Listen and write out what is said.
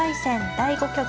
第５局。